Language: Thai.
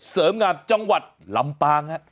เสริมงามจังหวัดลำปางฮะ